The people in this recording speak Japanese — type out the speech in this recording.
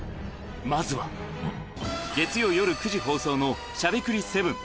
まずは、月曜夜９時放送のしゃべくり００７。